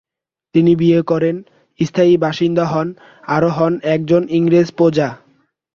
তিনি বিয়ে করেন, স্থায়ী বাসিন্দা হন, আরো হন একজন ইংরেজ প্রজা।